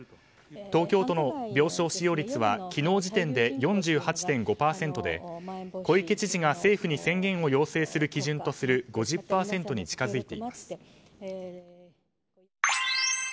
東京都の病床使用率は昨日時点で４８．５％で小池知事が政府に宣言を要請する基準とする５０％に近づいています。